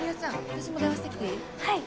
私も電話してきていい？